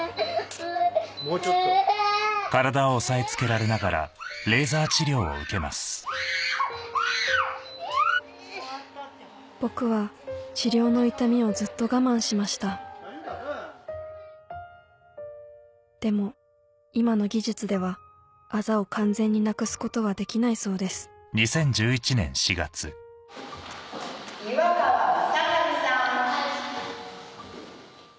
もうちょっと・僕は治療の痛みをずっと我慢しましたでも今の技術ではあざを完全になくすことはできないそうです・岩川雅治さん・はい。